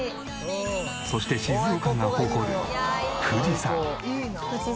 そして静岡が誇る富士山。